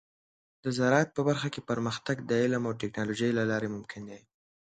د زراعت په برخه کې پرمختګ د علم او ټیکنالوجۍ له لارې ممکن دی.